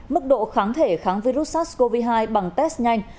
mức độ kháng thể kháng virus sars cov hai bằng test nhanh